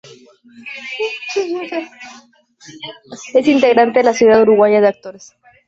Es integrante de la Sociedad Uruguaya de Actores.